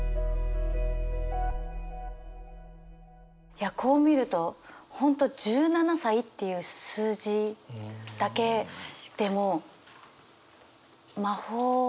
いやこう見ると本当「十七歳」っていう数字だけでも魔法だなって。